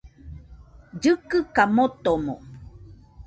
Llɨkɨka motomo